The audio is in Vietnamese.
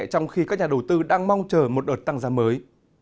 trong khi các nhà đầu tư đang mong chờ một đợt tăng giá mới